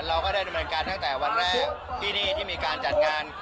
เราก็ได้ดำเนินการตั้งแต่วันแรกที่นี่ที่มีการจัดงาน